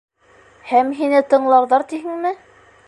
Һәм һине тыңларҙар тиһеңме?